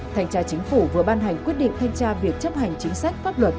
thanh tra chính phủ vừa ban hành quyết định thanh tra việc chấp hành chính sách pháp luật